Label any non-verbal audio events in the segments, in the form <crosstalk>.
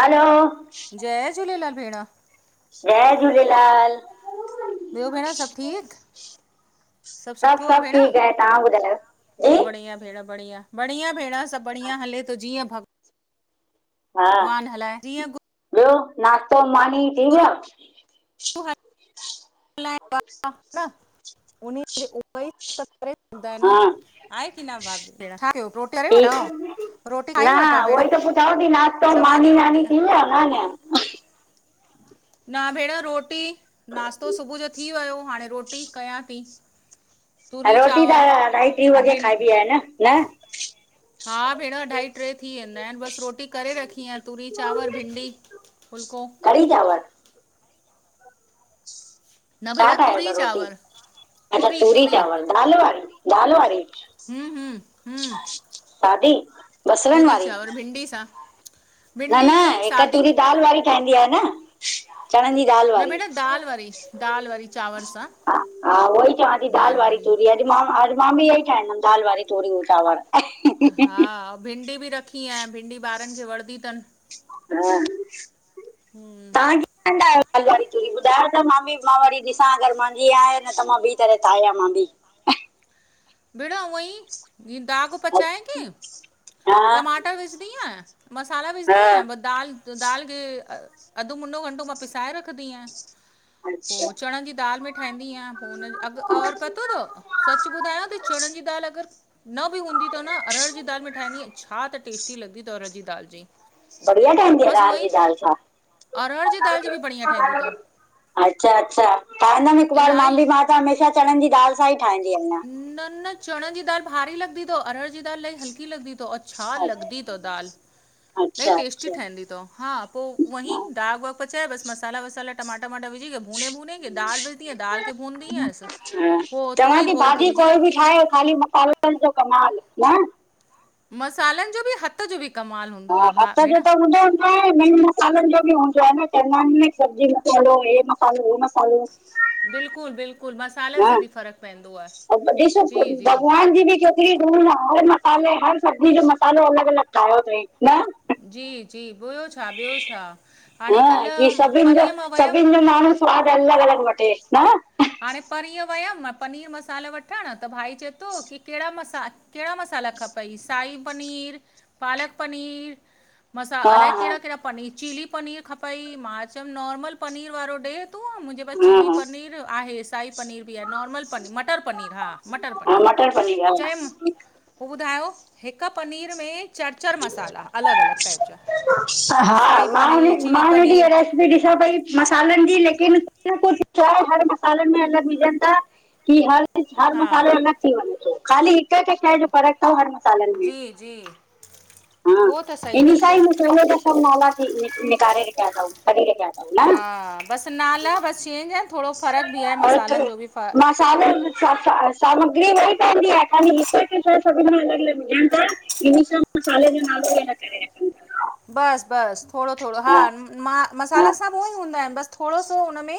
हलो! जय झूलेलाल भेण! जय झूलेलाल! ॿियो भेण सभ कीअं? सभु सुठो आहे भेण ठीक आ तां ॿधायो? बढ़िया भेण बढ़िया! बढ़िया भेण! सभ बढ़िया हले थो जीअं हा, भगवान हलाए जीअं बि ॿियो नास्तो पाणी थी वियो? <unintelligible> हा, ठीकु <unintelligible> न खाई वठो भेण उहोई त पुछां थी नास्तो चवां पाणी रोटी नानी थी वियव या न? न भेण रोटी नाश्तो सुबुअ जो थी वयो, हाणें रोटी कयां ती। हा रोटी त अढाई ट्रीं वॻे खाइबी आहे न, न? हा भेंण, अढाई ट्रे थी वेंदा हिनि, बसि रोटी करे रखी आहे तूरी, चांवर, भिंडी फुल्को। कढ़ी, चांवर? न छा भेण ठाहियो था तूरी रोटी? चांवर अच्छा तूरी, चांवर, दाल वारी, दाल वारी? हम्म हम्म हम्म सादी बसरनि तूरी, वारी? चावर, भिंडी सां न भिंडी न ईअं ई हिक सादी तूरी दाल वारी ठहींदी आहे न चणनि जी दाल न वारी? भेण दाल वारी दाल वारी चांवर सां हा हा, उहोई चवां ती दाल वारी तूरी आ न अॼु मां, अॼु मां बि इह्योई ठाहींदम दाल वारी तूरी अंउं चांवर हा, भिंडी बि रखी अएं भिंडी ॿारनि खे वणदी तनि। हा। हम्म। तहां किथां ता दाल वारी तूरी ॿुधायो त मां बि, मां वरी ॾिसां अगरि मांजी आहे न त, मां ॿी तरह ता ठाहियां मां बि। भेंण उवंई, जिंह दाग पचाए के हा टमाटर विझदी आंया, मसाला हा विझदी आयां बसि दाल त दाल खे अधु- मुंनो घंटो मां पिसाए रखंदी आहियां। पो अच्छा चणंनि जी दालि में ठाहींदी आहियां, पो हुन जो अघु और पतो तव? सचु ॿुधायां ती तूरी दाल अगर न बि हूंदी तव न, अरहर जी दाल में ठाहींदी आं, छा त टेस्टी लॻदी तव अरहर जी दाल जी। बढ़िया ठहींदी आ, बसि हूअं अरहर जी ई दाल छा? अरहर जी दाल जी बि बढ़िया ठहींदी अथव अच्छा -अच्छा, ठाहींदमि हिक बार मां इलाही बि, मां त हमेशाह चणंनि जी दाल सां ही ठाहींदी आहियां। न-न चणनि जी दाल भारी लॻदी तओ, अरहर जी दाल इल्हाइ हल्की लॻदी तओ, औ छा लॻंदी तव दाल? इल्हाई अच्छा टेस्टी अच्छा ठहंदी तव, हा पो उहंई हा दाग वाग पचाए बस मसाला वसा ला टमाटा वमाटा विझि करे भुने- भुने के दाल विझंदी आंया, दाल खे भुनदी आहियांस, पो चवां तूरी थी भाॼी कोई बि ठाहे, खाली मसाले जो कमाल न? मसालनि जो बि, हथ जो बि कमाल हूंद हा, हथ जो त हूंदो नी न मेन मसालनि जो बि हूंदो आ न, चवंदा हिन न सब्जी मसालो, हे मसालो, हो मसालो। बिल्कलु -बिल्कु हािस जी जी भॻवान जी बि क <unintelligible> कि हुन हर मसाले, हर सब्जी जो मसालो अलॻि- अलॻि ठाहियो तई न? जी-जी ॿियो छा? ॿियो छा? हाणें हा कल्ह परींहं मां वयमि स्वाद अलॻ- अलॻ वठे न? हाणें परीह वयमि पनीर मसाला वठणु, त भाई चए तो कि केहिड़ा मसा कहिड़ा मसाला खपई? शाही पनीर, पालक पनीर मसाल हा अलाए कहिड़ा- कहिड़ा हा पनीर चिली, पनीर खपई? मां चयमि नॉर्मल पनीर वारो ॾे तू, मुंहिंजे पास चिली हा पनीर आहे, शाही पनीर बि आहे, नॉर्मल पनीर, मटर पनीर हा, मटर हा पनीर। मटर पनीर हा। पो ॿुधायो? हिक पनीर में चारि -चारि मसाला, अलग- अलग टाइप जा। साही पनीर चिली पनीर। इयं रेसिपी ॾिसां पई मसालनि जी, लेकिन कुझुहे हर मसालनि में अलग विझनि ता। की हर- हर हा मसालो अलॻि थी वञे थो। खाली हिकु- हिकु शइ जो फ़र्कु तव हर मसालनि में। जी जी। हा उहो त सही इन था सां चओ ई सांा ई मस त सभु नाला थी निकारे रखया तव रखया <unintelligible> हा, बसि नाला बसि चेंज आहिन। थोरो फ़र्क़ु बि आहे, मसालनि जो बि फ स सामग्री उहाई पयदीं आहे, ख़ाली हिक-हिक शह सबहिन में अलॻ -अलॻ विझंन तों। इन सां मसालं जो नालो बि न करे रखंदी आ। बसि -बसि, थोरो- थोरो हा, मां हा मसाला सभु उह ई हूंदा आहिन। बसि थोरो सो हुन में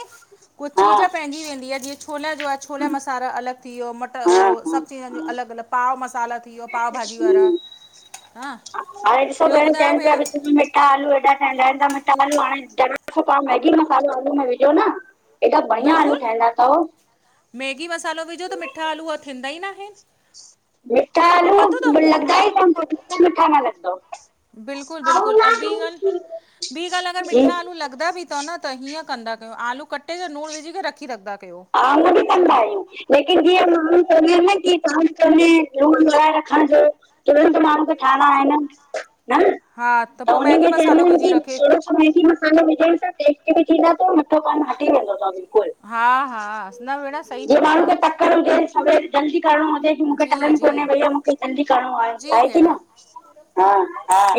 कुछ चीज़ हा पंहिंजी वेंदी आहे, जीअं छोला जो आहे, छोला मसाला अलॻि थी वियो, मटर हा उह हा सभु चीजनि जो हा अलॻि- अलॻि पाव मसाला थी वियो, पाव भाजी वारा हां, हाणे ॾिसो ॿियो ॿुधायो चइनि पिया भेण? विच मिठा आलू हेॾा ठहंदा आहिन। त मिठा आलू हाणे मैगी मसालो आलू में विझो न। एॾा बढिया आलू बिल्कुलु ठहींदा तव। मैगी मसालो विझो, त मिठा आलू उहे थींदा ई न आहिन। मिठा आलू लॻदा ई न त बिल्कुल मीठा न लॻदव। बिलकुल-बिल्कुल अऊं बी गाल बी गाल अगर जी मिठा आलू लॻ दा बि थव न त हीअं कंदा कयो आलू कटे करे, नूण विझी करे रखी रखदा कयो। हा ईय बि कंदा छोकी आहियूं। लेकिन जीअं माण्हू चवंदा न कीअं त लूण लगाये रखण जो। तुरंत माण्हू खे ठाइणा आहिन ह हा त पोइ उन मैगी में चवंदा मसालो आहिन विझी की रखे थोरो मैगी मसालो विझण सां टेस्ट बी थींदा थव, मिठो पन हटी वेंदो अथव बिल्कुल। हा हा न भेण सही जीअ चओ माण्हू था खे तकड़ हुजे सवेल जल्दी करणो हुजे, कि मुखे जी टाइम जी कोन्हे भईया जल्दी करणो आहे, जी आहे की भेण न, हा।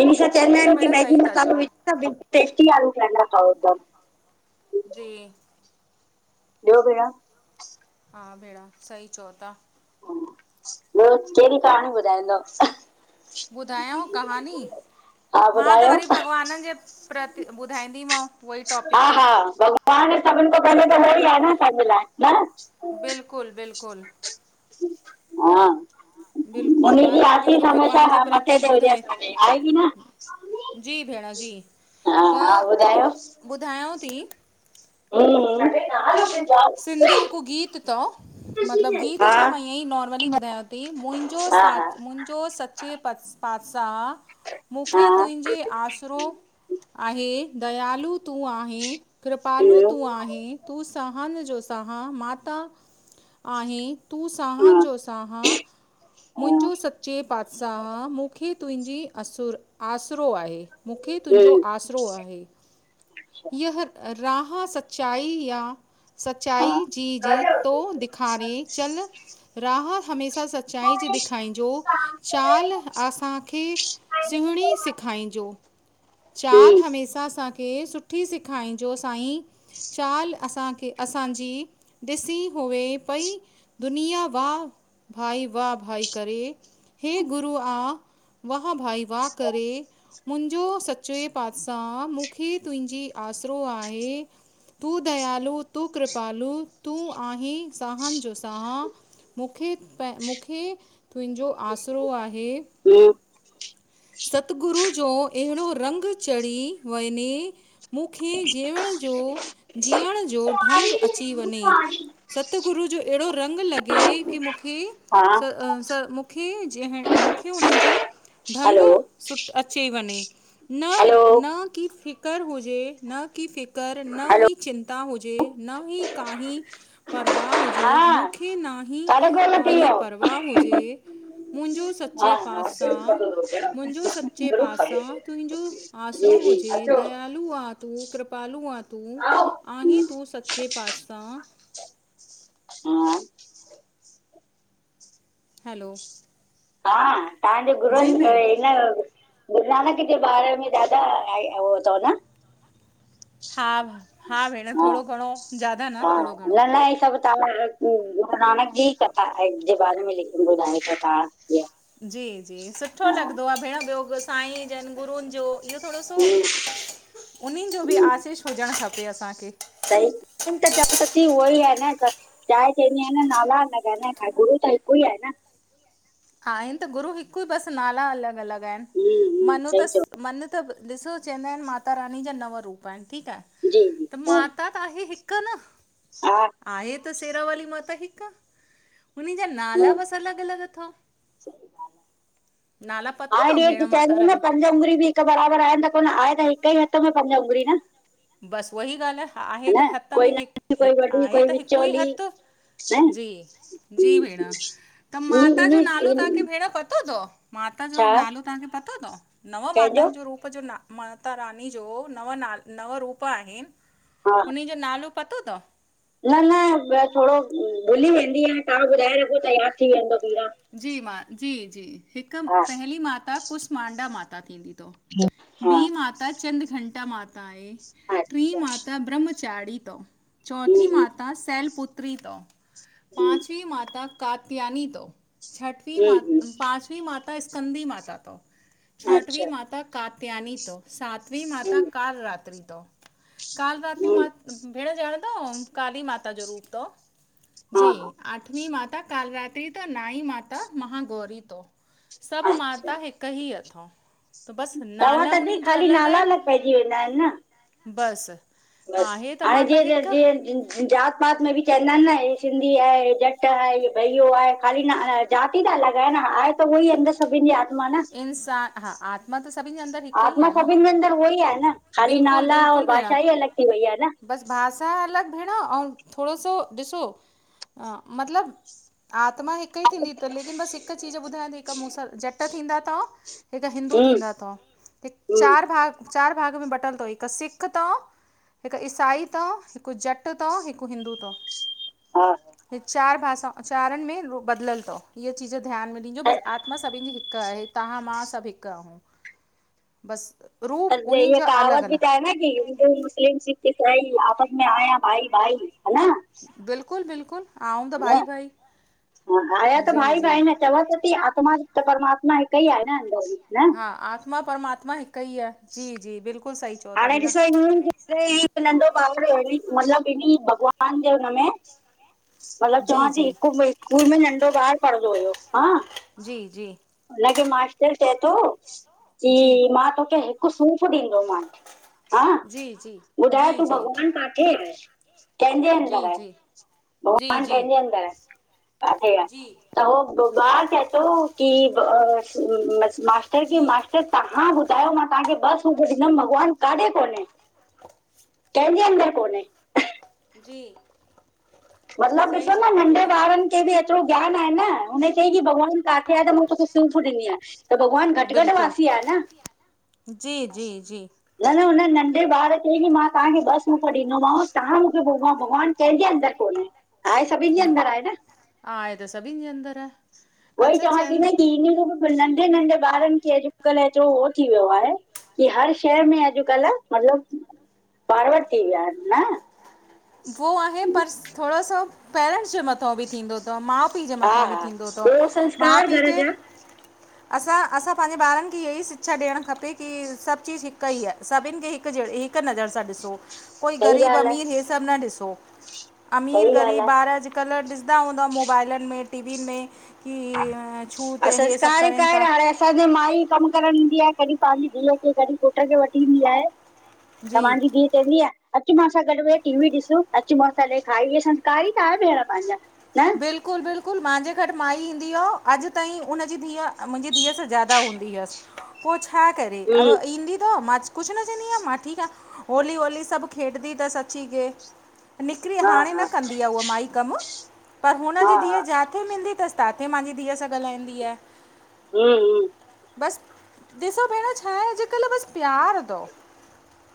इनिशा चवंदा न अनि कि भेण मैगी सही था मसालो चओ विज टेस्टी आलू ठइंदा थव। जी। ॿियो भेण? हा भेण, सही चओ ता। ॿियो केहड़ी कहाणी ॿुधाईंदव। ॿुढायाव कहानी हा मां त ॿुधायो वरी भॻवाननि जे प्रति ॿुधाईंदी मांव उह ई टॉपिक ते। तव्हाणे सभिनि खां पहले त ऊहो ई आहे न असांजे लाइ न। बिल्कुल बिल्कुल। हा। बिल्कुलु उने मां जी तव्हांखे वरी आसीसा हमेशा भॻवान जे मथे ते प्रतीक हुजेस ॿुधाए भले, आहे की न? जी भेण जी हा त हा ॿुधायो ॿुधायांव ती। ह <unintelligible> सिंधी हिकु गीत त मतलब गीत छा हा मां ईअं ई नॉर्मली ॿुधायांव ती मुंहिंजो हा हा हा साथ जो सचे पातसाह मुखे हम्म तुंहिंजे आसरो आहे दयालू तू आहीं कृपालू तूं आहीं तूं स हान जो साहा माता आहें तूं हा सहान हा जो सहा हम्म मुंहिंजो सचे पातशाह मूंखे तुंहिंजी असुर आसिरो आहे मूंखे तुंहिंजो आसिरो आहे। अच्छा यह राहां सचाई या हा सचाई जी जी तो दिखारे चल राह हमेशा सचाई जी ॾेखाइजो चाल आसांखे सिवणी सिखाईजों चाल हम्म हमेशा असांखे हे सुठी सेखाईंजो साईं चाल असांखे, असांजी ॾिसी हुए पई दुनिया वाह भाई वाह भाई करे हे गुरू आ वाह भाई वाह करे मुंहिंजो सचे पातशाह मूंखे तुंहिंजी आसरो आहे, तूं दयालू तूं कृपालू, तूं आहीं साहन जो साह मुखे, मुखे तुंहिंजो आसरो आहे <inaudible> सतगुरु जो अहिड़ो रंग चढ़ी वञे मूंखे जीअण जो, जीअण जो ढंग अची वञे, सतगुरू जो ऐड़ो रंग लॻे कि मु मूंखे हा स स मूंखे जींह मूंखे हुनन जी ढंग हलो सुट अची वञे न हलो न कि फिकर हुजे न कि फ़िकर कर न हलो ही चिंता हुजे न ही काहीं परवाह हुजे हा जे मूंखे ना हीं साढे गोल थी काहीं वियो परवाह हुजे मुंहिंजो सचे हा हा पातशाह, मुंहिंजो सचे पातशाह तुंहिंजो आसिरो जी जी हुजे अचो दयालु आ तू कृपालूं आ तू आहीं तू सत जेे पातसा तां? असां हैलो हा, तव्हांजे गुरूअनि जी <unintelligible> भेण हिन गुरु नानक जे बारे में ॾाढा ऐं उ तव न? हा- हा भेण, थोरो घणो ज्यादा न, थोरो घणो। न ई सब <unintelligible> गुरू नानक जी कथा जे बारे में <inaudible> कथा जी <unintelligible> जी, जी, सुठो लॻदो आ भेण, ॿियो साईं जन, गुरूनि जो इहो थोरो सो, हम्म उनहीन जो बि हूं आशीष हुजणु खपे असांखे। सही <inaudible> त चवां तं थी उहो ई ह न? चाहे चवंदी आ नाला अलॻ आं न, गुरू त हिकु ई आहे न? आहिनि त गुरू हिकु, बसि नाला अलॻि- अलॻि हूं आहिनि। हूं मनू त सही चओ मन त ॾिसो चैंदा आहिनि, माता रानी जा नव रूप आहिनि, ठीकु आहे? जी जी त हा माता आहे हिकु न? हा आहे त सेरा वाली माता हिकु। उन्हीन जा नाला हा बस अलॻि -अलॻि अथव। सही ॻाल्हि आ। नाला पतो तव भेण? माता न रानी पंज उंॻरी बि हिकु बराबरि आहे त कोन, आहे त हिक ई हथ में पंज उंॻरी न? बसि उहा ई ॻाल्हि आहे। आहे ह त न हथ कोई में हिकु, नंढी कोई हिकु वॾी आहे कोई त हिकु ई विचोली हथु। न जी, जी भेण, त माता इन जो नालो इन तांखे भेण पतो तव? माता जो छा नालो तहांखे पतो तव्? नव कंहिंजो माताउन जो रुप पो जो न, माता रानी जो नव ना, नव रूप आहिन, हा उन्हि जो नालो पतो तव्? न न थोड़ो भुली वेंदीयां, तहां ॿुधाए रखो त याद थी वेंदो ॿीरा। जी, मां जी-जी, हिक पहली माता कुसमांडा माता थींदी तव। ठीक आ। ॿी मााता चंद्र घंटा मााता आए, ट्रीं अच्छा मााता ब्रह्मचारणी तव। हम्म चौथीं हम्म माता सैलपुत्री तव, हम्म पांचवी माता कात्यानी तों। छठवी हम्म मां, हम्म, पांचवी माता स्कंदधी माता तव्, छठवी अच्छा माता कात्यानी तव, सांतवी माता हम्म काल रात्री तव। काल रात्री हम्म मां भेण, ॼणदाओ काली माता जो रूप तव, हा जी। हा आंठवी माता कालरात्री तौ, नाई माता महागौरी तौ। सभ माता हिक ही अथव। त बसि चवां त नाला थी, उन्हनि जा खाली नाला अलॻ पैजी वेंदा एन न। बस बस, हाणे जींयं जींयं ज़ात पात में बि चैंदा एन न, हे सिंधी आहे, हे ॼट आहे, हे भइयो आहे, खाली नाला जाती त अलॻ आहे न, हा, आहे त उहईं अंदर सब सभिन जी आत्मा न, इंसान हा आत्मा त सभिनि जे अंदरि हिकु ई आत्मा आहे न सभिन जे अंदरि उहई आहे न। ख़ाली नाला और भाषा ई अलॻ थी वई आ न। बस भासा अलॻ भेण, अंउ थोड़ो सो ॾिसो मतलब आत्मा हिक ई थींदी तव, लेकिन बस हिक चीज ॿुधायां थी, हिक मूंसां ॼट थींदा तव, हिक हिंदू हम्म थींदा तव, हम्म चार भाग चार भाग में बटल तव, हिक सिख तौ, हिक ईसाई तव, हिक ॼट तव, हिक हिंदू तव। हा हे चार भाषाऊ, चारन में रूप बदलल तव, इीअ चीज़ ध्यान में ॾिजो, त बस आत्मा सभिन जी हिक हिक आहे, तहां मां सभ हिक आहूं, बस रूप अरे उन्हीं ये जा अलॻ अलॻ <unintelligible> हिंदू, मुस्लिम, सिख, इसाई आपस में आयां भाई भाई, हा न बिल्कुल बिल्कुल, आऊं त भाई भाई, जी जी। चंवा त थी, आत्मा त परमात्मा हिक ई आहे न अंदर में, न हा, आत्मा परमात्मा हिक ई आहे, जी जी बिल्कुल सही चौ ता भेण। अ हिक नंढ़ो ॿार व्यो हली, मतलब इनीं भॻवान जे हुनमें। मतलब जी चवां ती, जी हिक स्कूल में नंढ़ो ॿारु पढ़ंदो हुयो, हां जी जी हुनखे मास्टर चै तो, की जी मां तोखे हिक हिक सूफ़ ॾींदो मां, हां, जी जी ॿुधाइ जी तूं जी भॻवान काथे आहे? कंहिंजे जी अंदर जी आहे, जी भॻवान जी कंहिंजे अंदर आहे, काथे आहे? जी त हो ॿार चए तो की, मास्टर जी मास्टर तहां ॿुधायो, मां तहांखे ॿ सूफ़ ॾींदम, भॻवान काॾे कोन्हे? कंहिंजे अंदर कोन्हे? जी मतलब सही ॾिसो चओ न, था नंढे भेण ॿारन उनखे भी एतरो ज्ञान आहे न, हुन चईं भॻवान काथे आहे, त मां तोखे सूफ़ ॾींदीमैं। त भॻवानु घटि घटि वासी बिल्कुलु आहे न? जी जी जी न-न हुन नंढे ॿार खे बि, मां तव्हांखे ॿ सुफ़ ॾींदोमांव, तव्हां मूंखे भ भॻवान कंहिंजे अंदरि? कोन्हे आहे, सभिनि जे हम्म अंदर आहे न? आहे त सभीन जे अंदर आं। उहई चवां थी न की, इय बि नंढे -नंढे ॿारनि खे अॼुकल्ह हेतिरो उहो थी वियो आहे। की हर शहर में अॼुकल्ह <unintelligible> मतलब फॉर्वड थी विया आहिनि न? उहो आहे, पर थोरो सो पेरेंट्स जे मथांउ बि थींदो। तव माउ पीउ जे हा मथां बि हा थींदो तव्, ॿियो माउ संस्कार पीउ घर खे। जा असां -असां पंहिंजे ॿारनि खे इहा ई शिक्षा ॾियणु खपे की, सभु चीज़ हिकु ई आं। सभिनि खे हिकु जहिड़े, हिकु नज़र सां ॾिसो। कोई सही ग़रीब ॻाल्हि आहे अमीर इहे सभु न ॾिसो। अमीर सही ॻाल्हि ग़रीब ॿार आहे अॼ कल्ह ॾिसंदा हूंदव मोबाइलनि में, टीवीनि में? की छूत इीअ सभु संस्कार हिकु करनि आहे न था। हाणे असांजे माई कम करणु ईंदी आहे। कॾहिं पंहिंजी धीअउ खे, कॾहिं पुट खे, वठी ईंदी आहे। जी तव्हांजी धींय? चंदीआ अचमासां गॾु वेह, टी वी ॾिसो, अचमासां ॾे खाई संस्कार ई त आहे भेण पंहिंजा न? बिल्कुलु- बिल्कुलु, माहिंजे घटि माई ईंदी आयव, अॼु ताईं हुनजी धीउ मुंहिंजी धीअ सां ज्यादा हुन्दी। यस पोइ छा करे? अव हम्म ईंदी तव, मां कुछु न चवंदी आहियां। मां ठीकु आं। होली - होली सभु खेॾंदी तसि अची के, निकिरी हा हाणे न हा कंदी आहे, उहो माई कमु। पर हा हुनजी हा धीउ जाथे मिलंदी तसि, ताथे मांजी धीउ सां ॻाल्हाईंदी आहे। हम- हम। बसि ॾिसो भेण, छा आहे अॼुकल्ह बसि प्यार तव।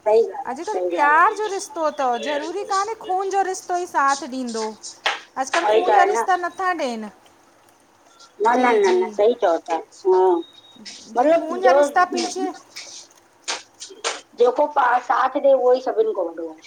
सही अॼुकल्ह ॻाल्हि आहे प्यार जो रिश्तो तव, ज़रूरी कान्हे खून जो रिश्तो ई साथ ॾींदो? अॼुकल्ह सही ॻाल्हि आहे सही त खून जा आहे रिश्ता नथा ॾियनि। न न जी न न जी सही चओ था। ह मतिलब जो जेको पा साथ ॾे, उहो ई सभिनि खां वॾो आं।